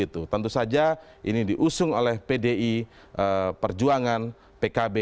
tentu saja ini diusung oleh pdi perjuangan pkb